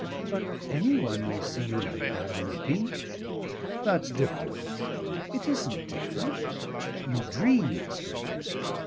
"But any one may see you like that on the beach!" "That's different." "It isn't different. You dream it's different.